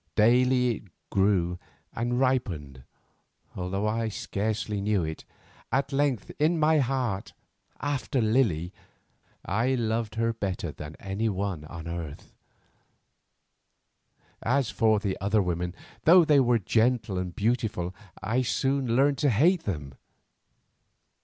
Daily it grew and ripened till, although I scarcely knew it, at length in my heart, after Lily, I loved her better than anyone on earth. As for the other women, though they were gentle and beautiful, I soon learned to hate them.